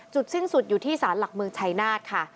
สิ้นสุดอยู่ที่ศาลหลักเมืองชัยนาธค่ะ